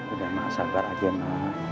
udah mak sabar aja